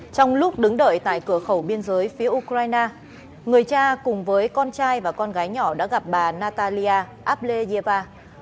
trong lúc đứng đợi tại cửa khẩu biên giới phía ukraine người cha cùng với con trai và con gái nhỏ đã gặp bà natalia ableyeva